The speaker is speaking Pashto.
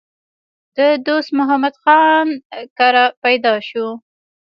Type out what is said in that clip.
د دوست محمد خان کره پېدا شو